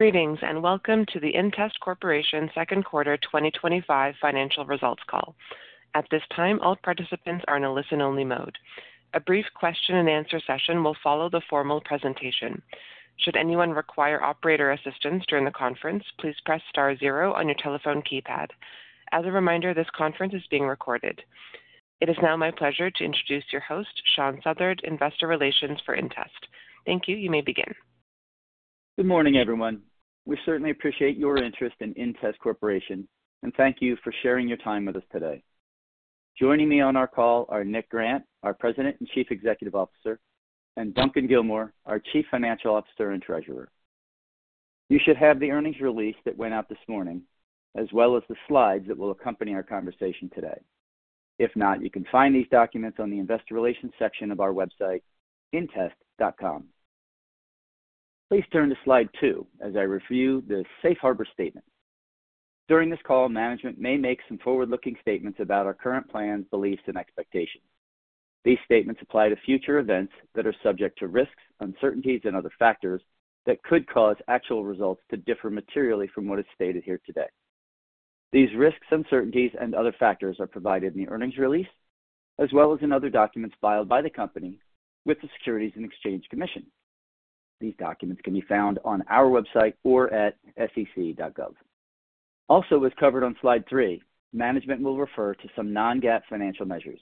Greetings and welcome to the inTEST Corporation Second Quarter 2025 Financial Results Call. At this time, all participants are in a listen-only mode. A brief question and answer session will follow the formal presentation. Should anyone require operator assistance during the conference, please press *0 on your telephone keypad. As a reminder, this conference is being recorded. It is now my pleasure to introduce your host, Shawn Southard, Investor Relations for inTEST. Thank you. You may begin. Good morning, everyone. We certainly appreciate your interest in inTEST Corporation and thank you for sharing your time with us today. Joining me on our call are Nick Grant, our President and Chief Executive Officer, and Duncan Gilmour, our Chief Financial Officer and Treasurer. You should have the earnings release that went out this morning, as well as the slides that will accompany our conversation today. If not, you can find these documents on the Investor Relations section of our website, intest.com. Please turn to slide two as I review the safe harbor statement. During this call, management may make some forward-looking statements about our current plans, beliefs, and expectations. These statements apply to future events that are subject to risks, uncertainties, and other factors that could cause actual results to differ materially from what is stated here today. These risks, uncertainties, and other factors are provided in the earnings release, as well as in other documents filed by the company with the Securities and Exchange Commission. These documents can be found on our website or at sec.gov. Also, as covered on slide three, management will refer to some non-GAAP financial measures.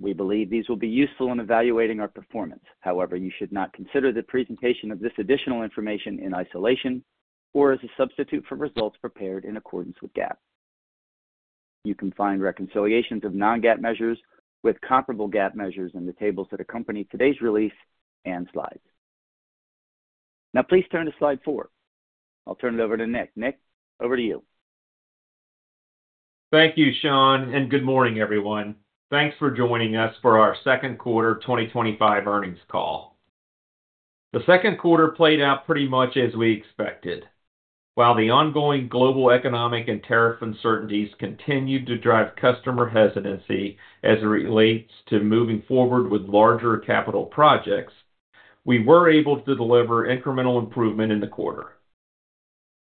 We believe these will be useful in evaluating our performance. However, you should not consider the presentation of this additional information in isolation or as a substitute for results prepared in accordance with GAAP. You can find reconciliations of non-GAAP measures with comparable GAAP measures in the tables that accompany today's release and slides. Now, please turn to slide four. I'll turn it over to Nick. Nick, over to you. Thank you, Shawn, and good morning, everyone. Thanks for joining us for our Second Quarter 2025 Earnings Call. The second quarter played out pretty much as we expected. While the ongoing global economic and tariff uncertainties continued to drive customer hesitancy as it relates to moving forward with larger capital projects, we were able to deliver incremental improvement in the quarter.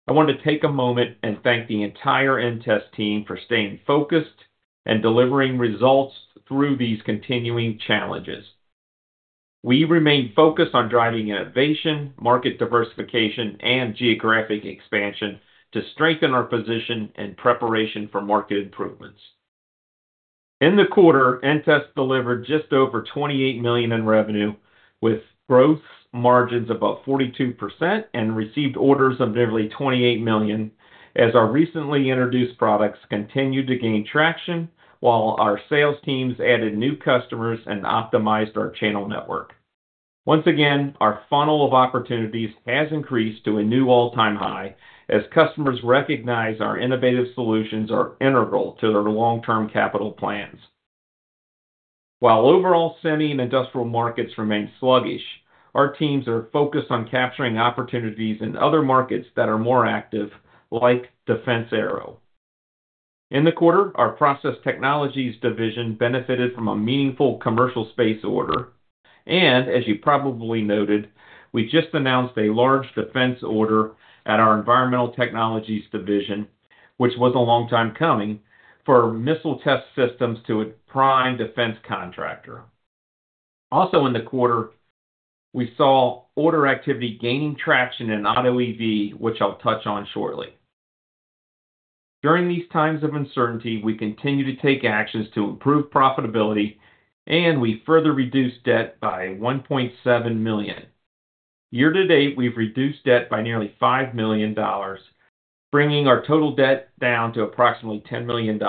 I want to take a moment and thank the entire inTEST team for staying focused and delivering results through these continuing challenges. We remain focused on driving innovation, market diversification, and geographic expansion to strengthen our position and preparation for market improvements. In the quarter, inTEST delivered just over $28 million in revenue, with gross margins above 42% and received orders of nearly $28 million, as our recently introduced products continued to gain traction while our sales teams added new customers and optimized our channel network. Once again, our funnel of opportunities has increased to a new all-time high as customers recognize our innovative solutions are integral to their long-term capital plans. While overall semi-industrial markets remain sluggish, our teams are focused on capturing opportunities in other markets that are more active, like defens/aerospace. In the quarter, our process technologies division benefited from a meaningful commercial space order. As you probably noted, we just announced a large defense order at our environmental technologies division, which was a long time coming, for missile test systems to a prime defense contractor. Also, in the quarter, we saw order activity gaining traction in auto EV, which I'll touch on shortly. During these times of uncertainty, we continue to take actions to improve profitability, and we further reduced debt by $1.7 million. Year to date, we've reduced debt by nearly $5 million, bringing our total debt down to approximately $10 million.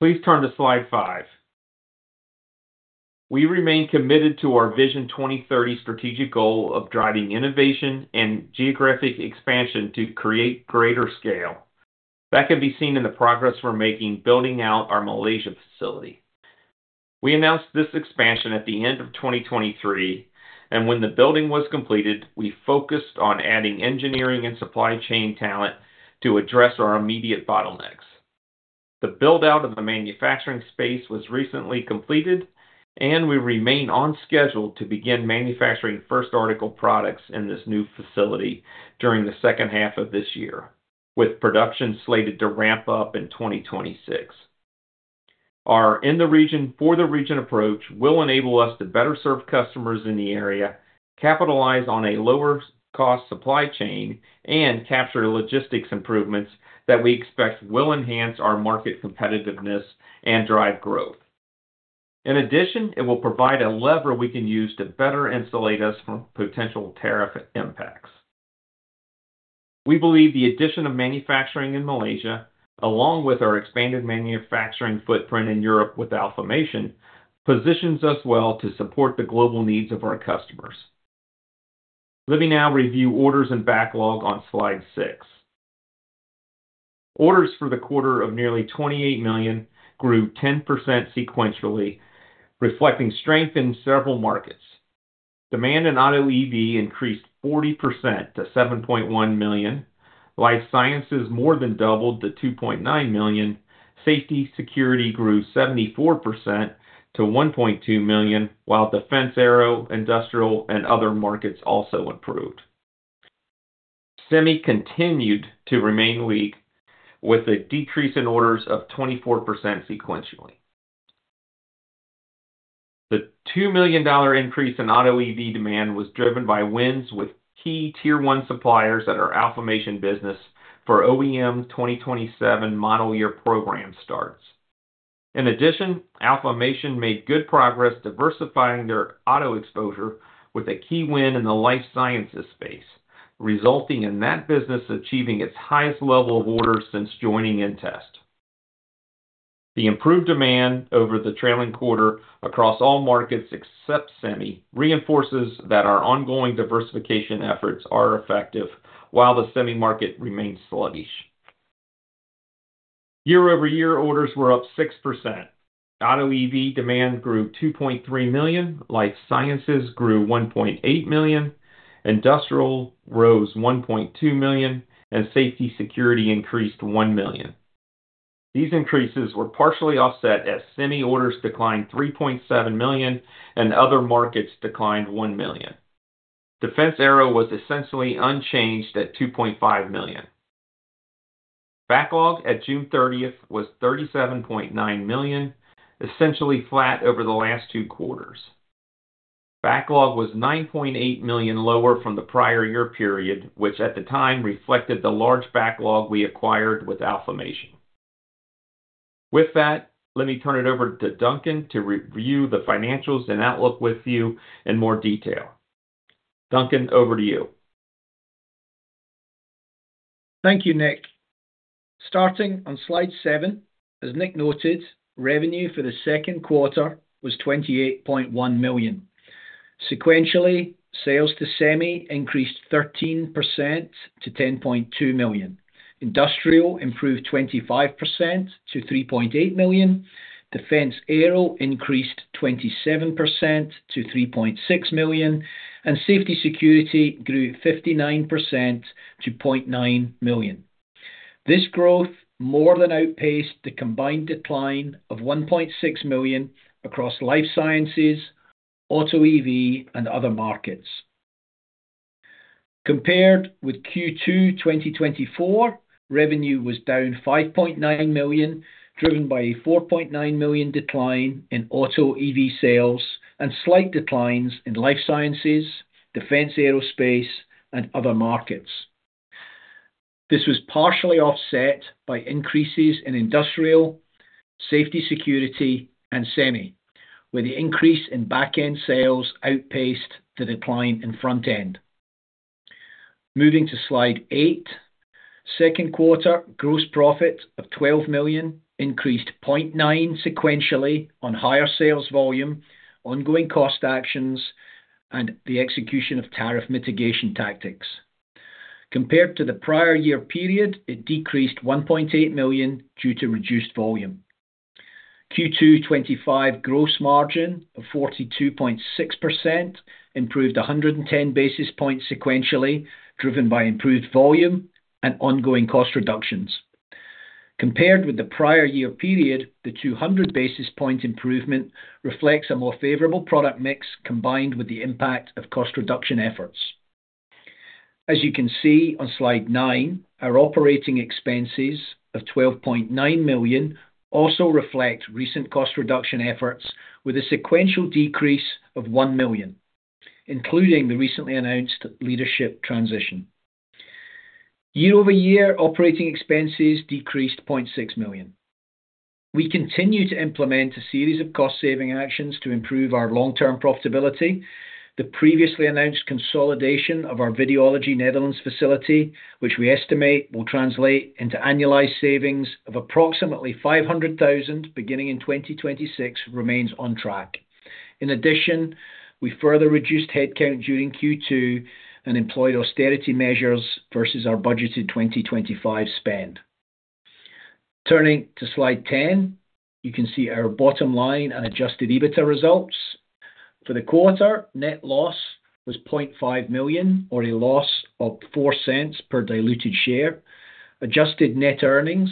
Please turn to slide five. We remain committed to our Vision 2030 strategic goal of driving innovation and geographic expansion to create greater scale. That can be seen in the progress we're making building out our Malaysia facility. We announced this expansion at the end of 2023, and when the building was completed, we focused on adding engineering and supply chain talent to address our immediate bottlenecks. The build-out of the manufacturing space was recently completed, and we remain on schedule to begin manufacturing first article products in this new facility during the second half of this year, with production slated to ramp up in 2026. Our in-the-region, for-the-region approach will enable us to better serve customers in the area, capitalize on a lower-cost supply chain, and capture logistics improvements that we expect will enhance our market competitiveness and drive growth. In addition, it will provide a lever we can use to better insulate us from potential tariff impacts. We believe the addition of manufacturing in Malaysia, along with our expanded manufacturing footprint in Europe with AlphaMation, positions us well to support the global needs of our customers. Let me now review orders and backlog on slide six. Orders for the quarter of nearly $28 million grew 10% sequentially, reflecting strength in several markets. Demand in auto EV increased 40% to $7.1 million. Life sciences more than doubled to $2.9 million. Safety security grew 74% to $1.2 million, while defense/aerospace, industrial, and other markets also improved. Semiconductor manufacturing continued to remain weak, with a decrease in orders of 24% sequentially. The $2 million increase in automotive/EV demand was driven by wins with key Tier 1 suppliers at our AlphaMation business for OEM 2027 model year program starts. In addition, AlphaMation made good progress diversifying their automotive exposure with a key win in the life sciences space, resulting in that business achieving its highest level of orders since joining inTEST. The improved demand over the trailing quarter across all markets except semiconductor manufacturing reinforces that our ongoing diversification efforts are effective while the semiconductor market remains sluggish. Year-over-year orders were up 6%. Auto EV demand grew $2.3 million, life sciences grew $1.8 million, industrial rose $1.2 million, and safety security increased $1 million. These increases were partially offset as semiconductor manufacturing orders declined $3.7 million and other markets declined $1 million. Defense Arrow was essentially unchanged at $2.5 million. Backlog at June 30th was $37.9 million, essentially flat over the last two quarters. Backlog was $9.8 million lower from the prior year period, which at the time reflected the large backlog we acquired with AlphaMation. With that, let me turn it over to Duncan to review the financials and outlook with you in more detail. Duncan, over to you. Thank you, Nick. Starting on slide seven, as Nick noted, revenue for the second quarter was $28.1 million. Sequentially, sales to semi increased 13% to $10.2 million. Industrial improved 25% to $3.8 million. Defence/aeropace increased 27% to $3.6 million, and safety/security grew 59% to $0.9 million. This growth more than outpaced the combined decline of $1.6 million across life sciences, automotive/EV, and other markets. Compared with Q2 2024, revenue was down $5.9 million, driven by a $4.9 million decline in auto EV sales and slight declines in life sciences, defense/aerospace, and other markets. This was partially offset by increases in industrial, safety/security, and semi, where the increase in backend sales outpaced the decline in frontend. Moving to slide eight, second quarter gross profit of $12 million increased $0.9 million sequentially on higher sales volume, ongoing cost actions, and the execution of tariff mitigation tactics. Compared to the prior year period, it decreased $1.8 million due to reduced volume. Q2 2025 gross margin of 42.6% improved 110 basis points sequentially, driven by improved volume and ongoing cost reductions. Compared with the prior year period, the 200 basis point improvement reflects a more favorable product mix combined with the impact of cost reduction efforts. As you can see on slide nine, our operating expenses of $12.9 million also reflect recent cost reduction efforts with a sequential decrease of $1 million, including the recently announced leadership transition. Year-over-year operating expenses decreased $0.6 million. We continue to implement a series of cost-saving actions to improve our long-term profitability. The previously announced consolidation of our Videology Netherlands facility, which we estimate will translate into annualized savings of approximately $500,000 beginning in 2026, remains on track. In addition, we further reduced headcount during Q2 and employed austerity measures versus our budgeted 2025 spend. Turning to slide 10, you can see our bottom line and adjusted EBITDA results. For the quarter, net loss was $0.5 million, or a loss of $0.04 per diluted share. Adjusted net earnings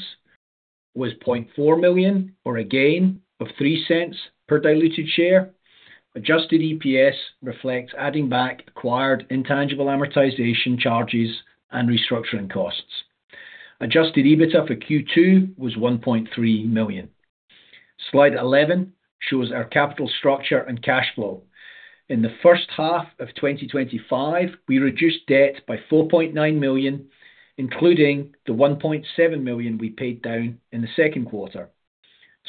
was $0.4 million, or a gain of $0.03 per diluted share. Adjusted EPS reflects adding back acquired intangible amortization charges and restructuring costs. Adjusted EBITDA for Q2 was $1.3 million. Slide 11 shows our capital structure and cash flow. In the first half of 2025, we reduced debt by $4.9 million, including the $1.7 million we paid down in the second quarter.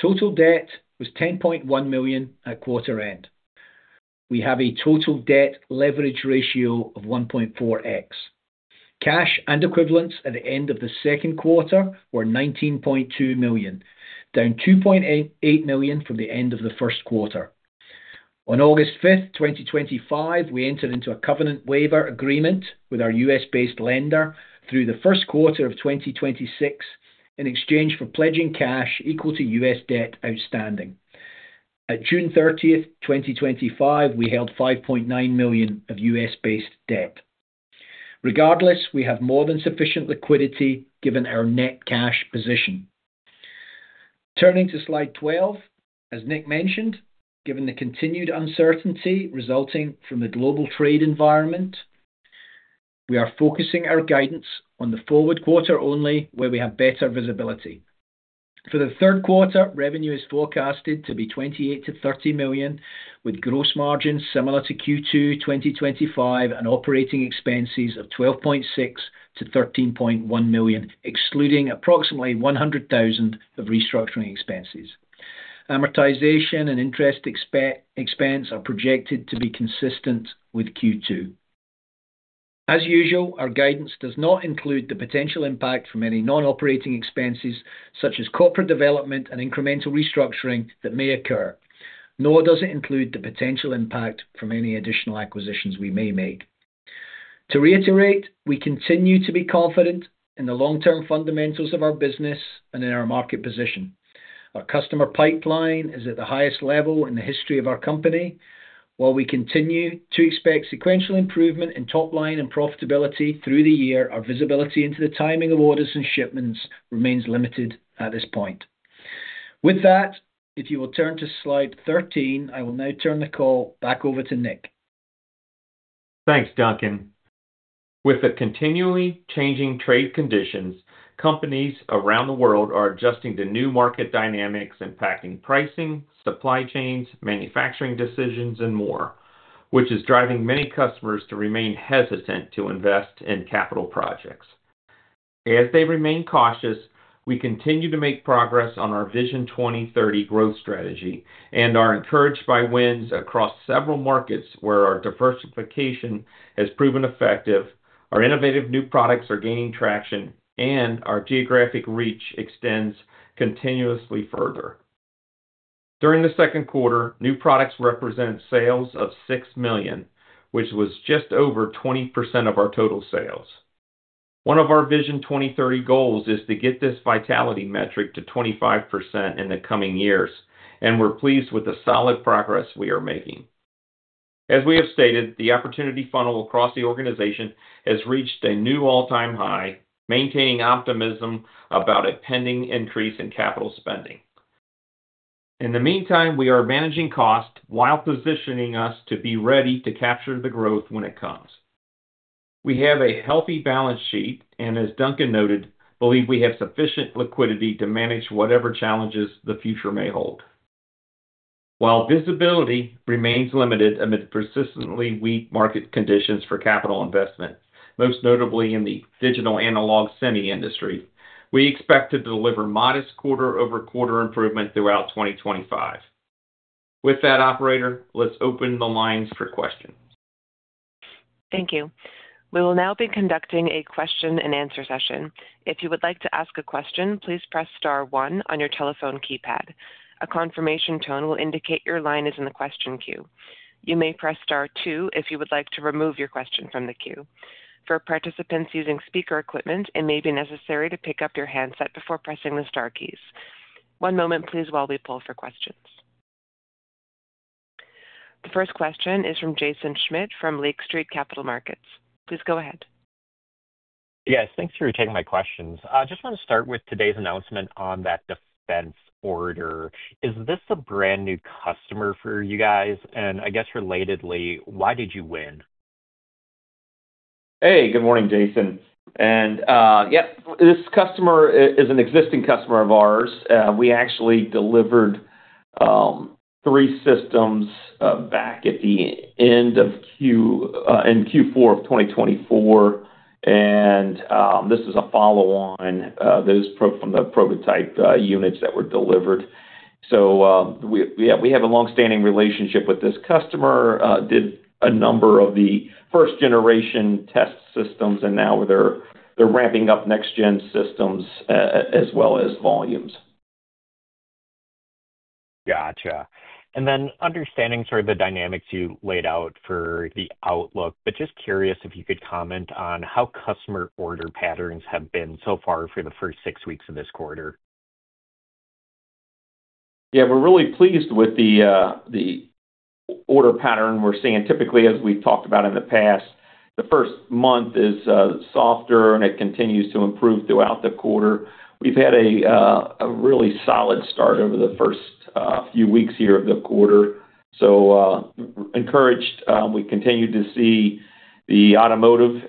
Total debt was $10.1 million at quarter end. We have a total debt leverage ratio of 1.4x. Cash and equivalents at the end of the second quarter were $19.2 million, down $2.8 million from the end of the first quarter. On August 5th, 2025, we entered into a covenant waiver agreement with our U.S.-based lender through the first quarter of 2026 in exchange for pledging cash equal to U.S. debt outstanding. At June 30th, 2025, we held $5.9 million of U.S.-based debt. Regardless, we have more than sufficient liquidity given our net cash position. Turning to slide 12, as Nick mentioned, given the continued uncertainty resulting from the global trade environment, we are focusing our guidance on the forward quarter only where we have better visibility. For the third quarter, revenue is forecasted to be $28 million-$30 million, with gross margins similar to Q2 2025 and operating expenses of $12.6 million-$13.1 million, excluding approximately $100,000 of restructuring expenses. Amortization and interest expense are projected to be consistent with Q2. As usual, our guidance does not include the potential impact from any non-operating expenses, such as corporate development and incremental restructuring that may occur, nor does it include the potential impact from any additional acquisitions we may make. To reiterate, we continue to be confident in the long-term fundamentals of our business and in our market position. Our customer pipeline is at the highest level in the history of our company. While we continue to expect sequential improvement in top line and profitability through the year, our visibility into the timing of orders and shipments remains limited at this point. With that, if you will turn to slide 13, I will now turn the call back over to Nick. Thanks, Duncan. With it continually changing trade conditions, companies around the world are adjusting to new market dynamics impacting pricing, supply chains, manufacturing decisions, and more, which is driving many customers to remain hesitant to invest in capital projects. As they remain cautious, we continue to make progress on our Vision 2030 growth strategy and are encouraged by wins across several markets where our diversification has proven effective, our innovative new products are gaining traction, and our geographic reach extends continuously further. During the second quarter, new products represented sales of $6 million, which was just over 20% of our total sales. One of our Vision 2030 goals is to get this vitality metric to 25% in the coming years, and we're pleased with the solid progress we are making. As we have stated, the opportunity pipeline across the organization has reached a new all-time high, maintaining optimism about a pending increase in capital spending. In the meantime, we are managing costs while positioning us to be ready to capture the growth when it comes. We have a healthy balance sheet and, as Duncan noted, believe we have sufficient liquidity to manage whatever challenges the future may hold. While visibility remains limited amid the persistently weak market conditions for capital investment, most notably in the digital analog semiconductor manufacturing industry, we expect to deliver modest quarter-over-quarter improvement throughout 2025. With that, operator, let's open the lines for questions. Thank you. We will now be conducting a question and answer session. If you would like to ask a question, please press *1 on your telephone keypad. A confirmation tone will indicate your line is in the question queue. You may press *2 if you would like to remove your question from the queue. For participants using speaker equipment, it may be necessary to pick up your handset before pressing the * keys. One moment, please, while we pull for questions. The first question is from Jaeson Schmidt from Lake Street Capital. Please go ahead. Yes, thanks for taking my questions. I just want to start with today's announcement on that defense order. Is this a brand new customer for you guys? I guess relatedly, why did you win? Hey, good morning, Jaeson. Yep, this customer is an existing customer of ours. We actually delivered three systems back at the end of Q4 of 2024. This is a follow-on from the prototype units that were delivered. We have a longstanding relationship with this customer, did a number of the first-generation test systems, and now they're ramping up next-gen systems as well as volumes. Gotcha. Understanding sort of the dynamics you laid out for the outlook, just curious if you could comment on how customer order patterns have been so far for the first six weeks of this quarter. Yeah, we're really pleased with the order pattern we're seeing. Typically, as we've talked about in the past, the first month is softer, and it continues to improve throughout the quarter. We've had a really solid start over the first few weeks here of the quarter. We're encouraged, we continue to see the automotive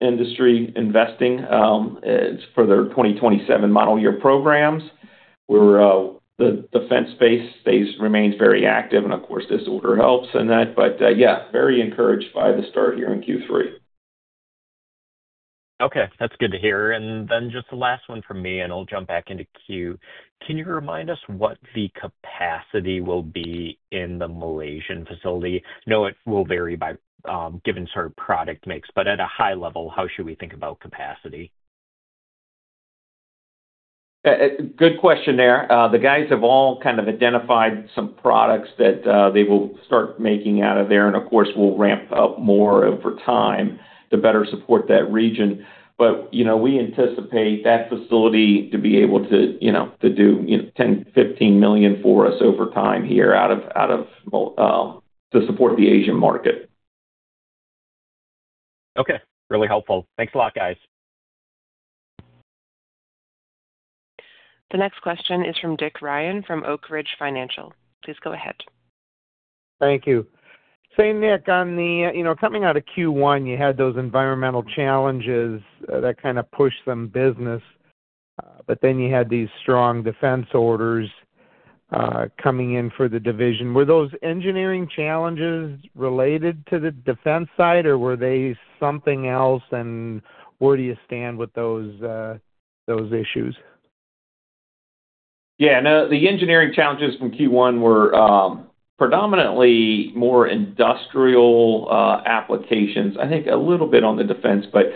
industry investing for their 2027 model year programs. The defense space remains very active, and of course, this order helps in that. Very encouraged by the start here in Q3. Okay, that's good to hear. Just the last one from me, I'll jump back into queue. Can you remind us what the capacity will be in the Malaysian facility? I know it will vary by given sort of product mix, but at a high level, how should we think about capacity? Good question there. The guys have all kind of identified some products that they will start making out of there, and of course, we'll ramp up more over time to better support that region. We anticipate that facility to be able to do $10 million, $15 million for us over time here out of the support of the Asian market. Okay, really helpful. Thanks a lot, guys. The next question is from Dick Ryan from Oak Ridge Financial. Please go ahead. Thank you. Nick, on the, you know, coming out of Q1, you had those environmental challenges that kind of pushed some business. You had these strong defense orders coming in for the division. Were those engineering challenges related to the defense side, or were they something else? Where do you stand with those issues? Yeah, no, the engineering challenges from Q1 were predominantly more industrial applications. I think a little bit on the defense, but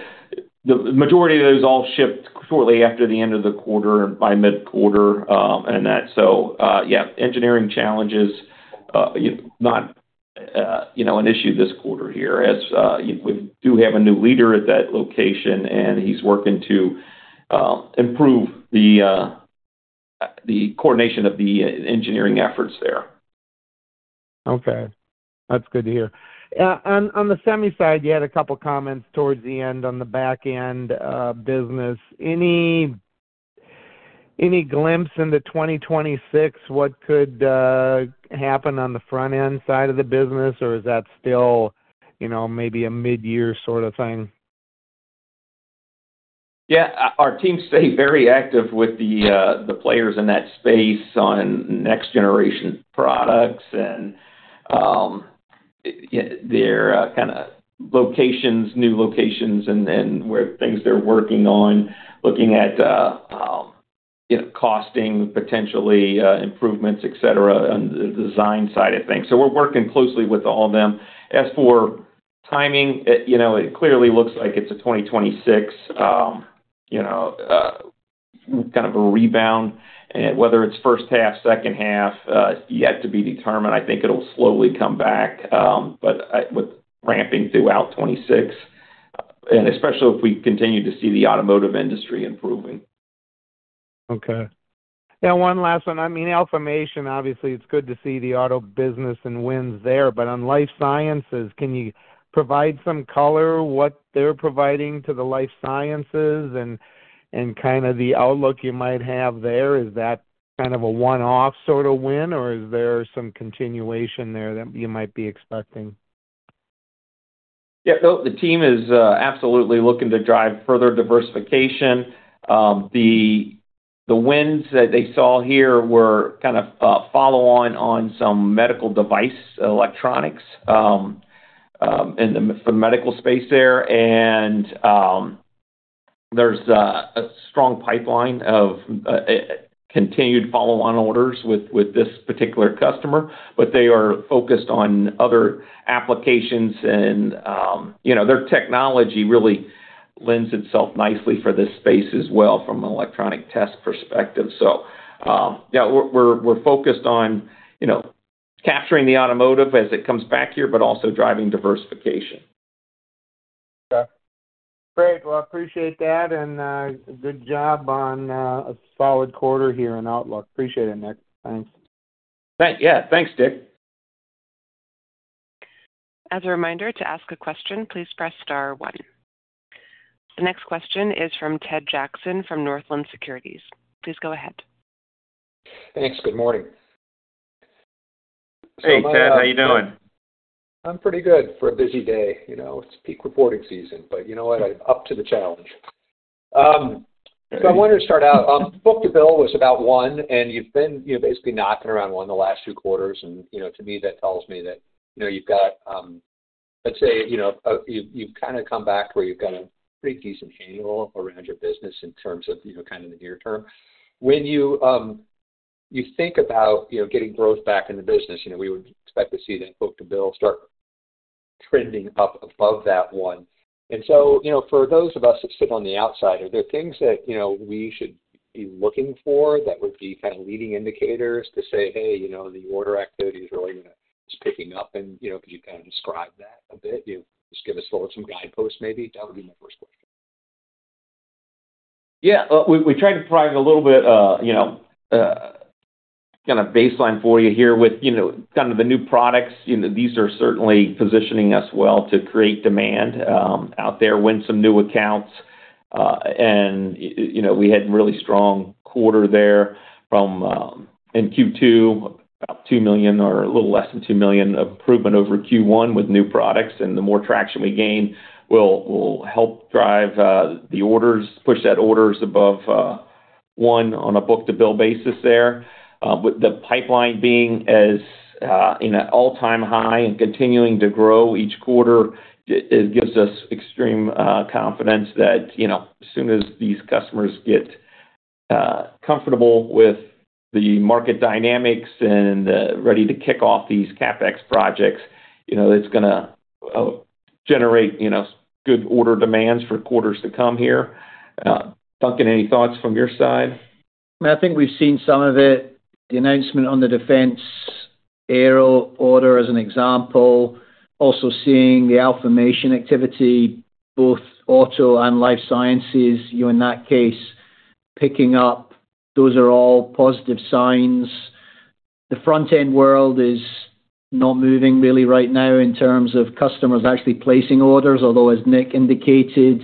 the majority of those all shipped shortly after the end of the quarter and by mid-quarter. Yeah, engineering challenges, you know, not, you know, an issue this quarter here, as we do have a new leader at that location, and he's working to improve the coordination of the engineering efforts there. Okay, that's good to hear. Yeah, on the semi side, you had a couple of comments towards the end on the backend business. Any glimpse into 2026? What could happen on the frontend side of the business, or is that still, you know, maybe a mid-year sort of thing? Yeah, our team stays very active with the players in that space on next-generation products and their kind of locations, new locations, and where things they're working on, looking at, you know, costing, potentially improvements, et cetera on the design side of things. We're working closely with all of them. As for timing, it clearly looks like it's a 2026, you know, kind of a rebound. Whether it's first half, second half, yet to be determined. I think it'll slowly come back, but with ramping throughout 2026, and especially if we continue to see the automotive industry improving. Okay. Now, one last one. I mean, AlphaMation, obviously, it's good to see the auto business and wins there, but on life sciences, can you provide some color what they're providing to the life sciences and kind of the outlook you might have there? Is that kind of a one-off sort of win, or is there some continuation there that you might be expecting? Yeah, no, the team is absolutely looking to drive further diversification. The wins that they saw here were kind of follow-on on some medical device electronics in the medical space there. There's a strong pipeline of continued follow-on orders with this particular customer, but they are focused on other applications. Their technology really lends itself nicely for this space as well from an electronic test perspective. Yeah, we're focused on capturing the automotive as it comes back here, but also driving diversification. Great. I appreciate that, and good job on a solid quarter here in Outlook. Appreciate it, Nick. Thanks. Thanks. Yeah, thanks, Dick. As a reminder, to ask a question, please press *1. The next question is from Ted Jackson from Northland Securities. Please go ahead. Thanks. Good morning. Hey, Ted. How you doing? I'm pretty good for a busy day. You know, it's peak reporting season, but you know what? I'm up to the challenge. I wanted to start out. The book-to-bill was about one, and you've been basically knocking around one the last two quarters. To me, that tells me that you've kind of come back where you've got a pretty decent handle around your business in terms of the near term. When you think about getting growth back in the business, we would expect to see that book-to-bill start trending up above that one. For those of us that sit on the outside, are there things that we should be looking for that would be kind of leading indicators to say, "Hey, the order activity is really just picking up"? Could you kind of describe that a bit? Just give us a little some guideposts, maybe. That would be my first question. Yeah, we tried to provide a little bit, you know, kind of baseline for you here with, you know, kind of the new products. These are certainly positioning us well to create demand out there, win some new accounts. We had a really strong quarter there from, in Q2, $2 million or a little less than $2 million improvement over Q1 with new products. The more traction we gain will help drive the orders, push that orders above one on a book-to-bill basis there. With the pipeline being at an all-time high and continuing to grow each quarter, it gives us extreme confidence that, as soon as these customers get comfortable with the market dynamics and ready to kick off these CapEx projects, it's going to generate good order demands for quarters to come here. Duncan, any thoughts from your side? I think we've seen some of it. The announcement on the defense/aerospace order as an example. Also seeing the AlphaMation activity, both auto and life sciences, you're in that case picking up. Those are all positive signs. The frontend world is not moving really right now in terms of customers actually placing orders, although as Nick indicated,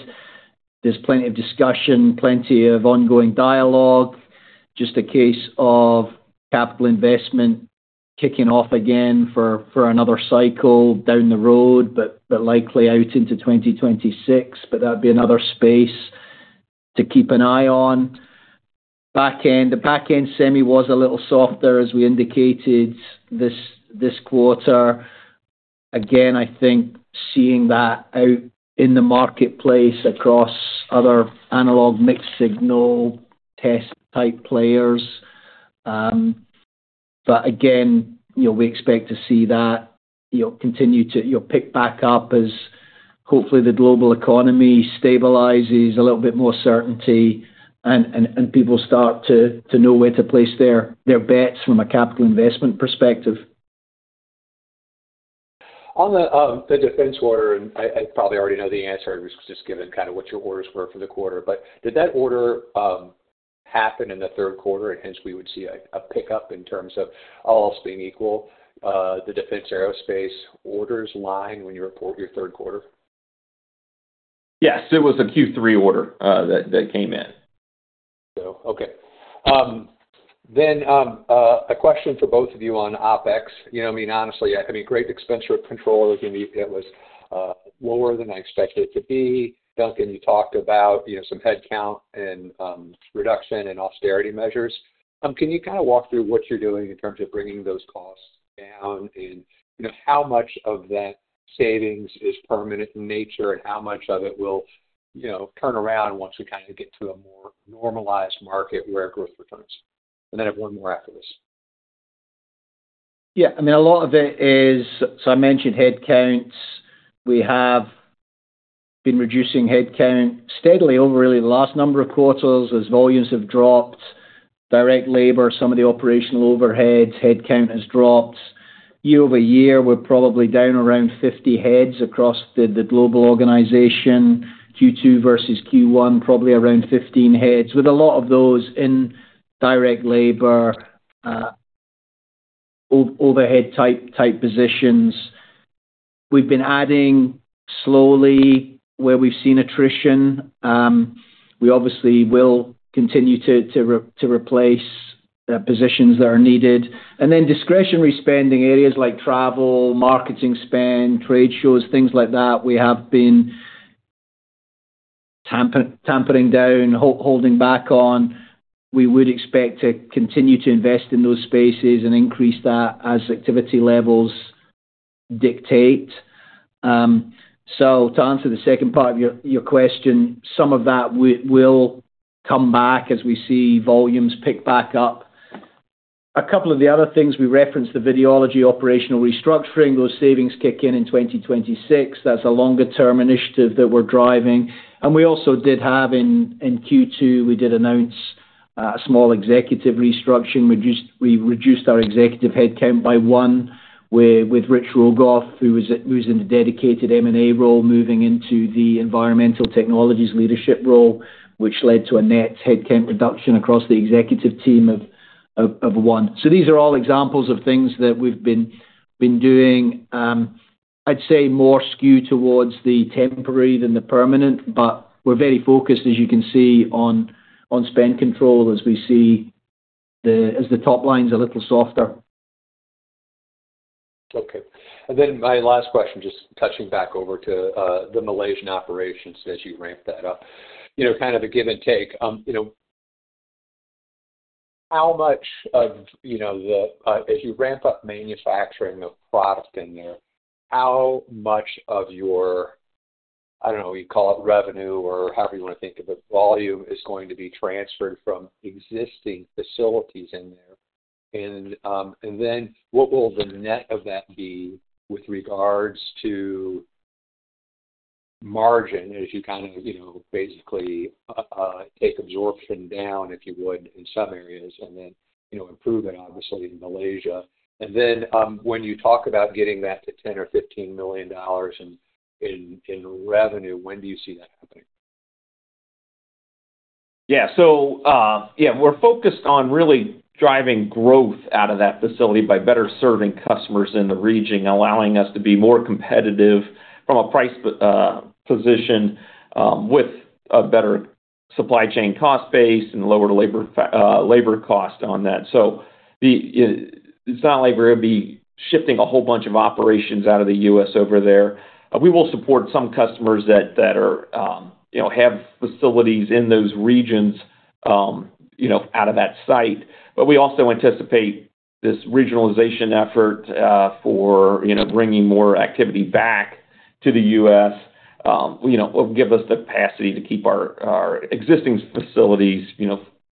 there's plenty of discussion, plenty of ongoing dialogue. It's just a case of capital investment kicking off again for another cycle down the road, but likely out into 2026. That'd be another space to keep an eye on. The backend, the backend semi was a little softer as we indicated this quarter. I think seeing that out in the marketplace across other analog mixed signal test type players. We expect to see that continue to pick back up as hopefully the global economy stabilizes, there's a little bit more certainty, and people start to know where to place their bets from a capital investment perspective. On the defense order, I probably already know the answer. I was just given kind of what your orders were for the quarter. Did that order happen in the third quarter, and hence, we would see a pickup in terms of, all else being equal, the defense/aerospace orders line when you report your third quarter? Yes, it was a Q3 order that came in. Okay. A question for both of you on OpEx. Honestly, great expense control. I think it was lower than I expected it to be. Duncan, you talked about some headcount reduction and austerity measures. Can you kind of walk through what you're doing in terms of bringing those costs down and how much of that savings is permanent in nature and how much of it will turn around once we kind of get to a more normalized market where growth returns? I have one more after this. Yeah, I mean, a lot of it is, so I mentioned headcounts. We have been reducing headcount steadily over really the last number of quarters as volumes have dropped. Direct labor, some of the operational overheads, headcount has dropped. Year-over-year, we're probably down around 50 heads across the global organization. Q2 versus Q1, probably around 15 heads, with a lot of those in direct labor, overhead type positions. We've been adding slowly where we've seen attrition. We obviously will continue to replace positions that are needed. Discretionary spending areas like travel, marketing spend, trade shows, things like that, we have been tampering down, holding back on. We would expect to continue to invest in those spaces and increase that as activity levels dictate. To answer the second part of your question, some of that will come back as we see volumes pick back up. A couple of the other things we referenced, the Videology operational restructuring, those savings kick in in 2026. That's a longer-term initiative that we're driving. We also did have in Q2, we did announce a small executive restructuring. We reduced our executive headcount by one with Rich Rogoff, who was in a dedicated M&A role, moving into the Environmental Technologies leadership role, which led to a net headcount reduction across the executive team of one. These are all examples of things that we've been doing. I'd say more skewed towards the temporary than the permanent, but we're very focused, as you can see, on spend control as we see the top lines a little softer. Okay. My last question, just touching back over to the Malaysian operations as you ramp that up, kind of a give and take. How much of the, as you ramp up manufacturing of product in there, how much of your, I don't know, you call it revenue or however you want to think of it, volume is going to be transferred from existing facilities in there? What will the net of that be with regards to margin as you basically take absorption down, if you would, in some areas and then improve it, obviously, in Malaysia? When you talk about getting that to $10 million or $15 million in revenue, when do you see that happening? Yeah. We're focused on really driving growth out of that facility by better serving customers in the region, allowing us to be more competitive from a price position with a better supply chain cost base and lower labor cost on that. It's not like we're going to be shifting a whole bunch of operations out of the U.S. over there. We will support some customers that have facilities in those regions out of that site. We also anticipate this regionalization effort for bringing more activity back to the U.S. It'll give us the capacity to keep our existing facilities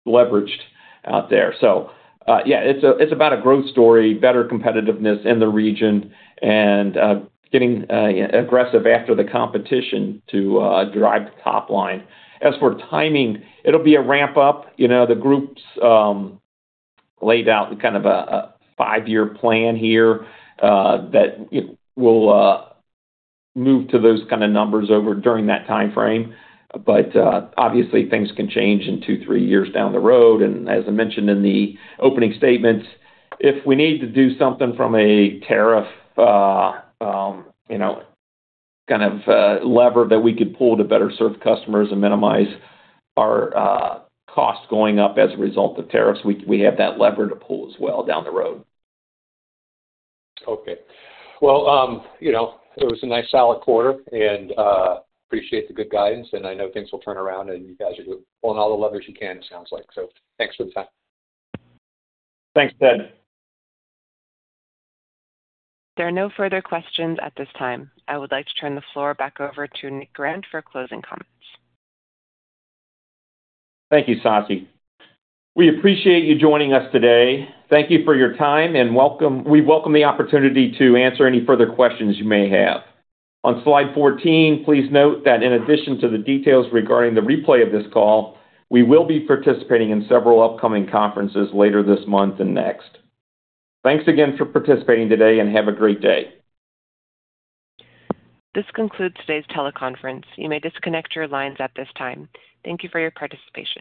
leveraged out there. It's about a growth story, better competitiveness in the region, and getting aggressive after the competition to drive the top line. As for timing, it'll be a ramp-up. The group's laid out kind of a five-year plan here that will move to those kind of numbers over during that timeframe. Obviously, things can change in two, three years down the road. As I mentioned in the opening statements, if we need to do something from a tariff kind of lever that we could pull to better serve customers and minimize our costs going up as a result of tariffs, we have that lever to pull as well down the road. It was a nice solid quarter, and I appreciate the good guidance. I know things will turn around, and you guys are pulling all the levers you can, it sounds like. Thanks for the time. Thanks, Ted. There are no further questions at this time. I would like to turn the floor back over to Nick Grant for closing comments. Thank you, Sassy. We appreciate you joining us today. Thank you for your time, and we welcome the opportunity to answer any further questions you may have. On slide 14, please note that in addition to the details regarding the replay of this call, we will be participating in several upcoming conferences later this month and next. Thanks again for participating today, and have a great day. This concludes today's teleconference. You may disconnect your lines at this time. Thank you for your participation.